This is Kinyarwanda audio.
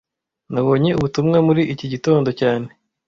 Nabonye ubutumwa muri iki gitondo cyane